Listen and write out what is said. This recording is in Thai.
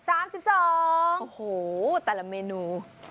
โอ้โหแต่ละเมนู